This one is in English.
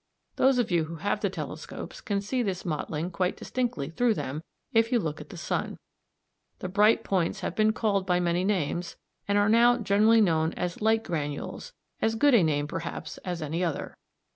Those of you who have the telescopes can see this mottling quite distinctly through them if you look at the sun. The bright points have been called by many names, and are now generally known as "light granules," as good a name, perhaps, as any other.